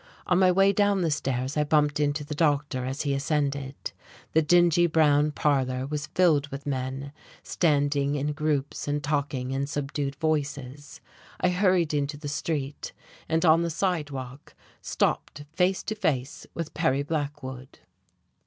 On my way down the stairs I bumped into the doctor as he ascended. The dingy brown parlour was filled with men, standing in groups and talking in subdued voices. I hurried into the street, and on the sidewalk stopped face to face with Perry Blackwood.